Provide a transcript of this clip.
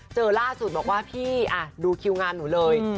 เจอล่าสุดบอกว่าพี่ดูคิวงานหนูเลย